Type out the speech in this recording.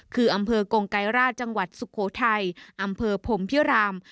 คืออำเภอกงไกรราชจังหวัดสุโขทัยอำเภอพรมพิราม